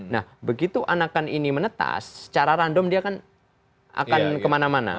nah begitu anak anak ini menetas secara random dia akan kemana mana